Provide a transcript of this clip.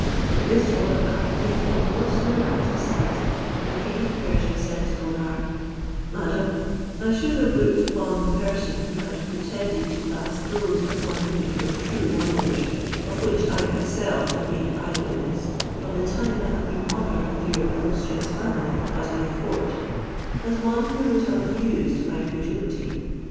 This royal company were no sooner out of sight, than the king of Persia said to Gulnare, "Madam, I should have looked upon the person who had pretended to pass those upon me for true wonders, of which I myself have been eye witness from the time I have been honoured with your illustrious family at my court, as one who would have abused my credulity.